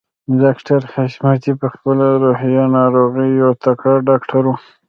ډاکټر حشمتي په خپله د روحي ناروغيو يو تکړه ډاکټر و.